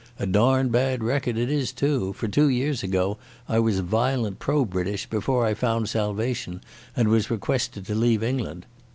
A darned bad record it is too, for two years ago I was violent pro British before I found salvation and was requested to leave England.